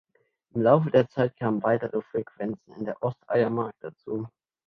Im Laufe der Zeit kamen weitere Frequenzen in der Oststeiermark dazu.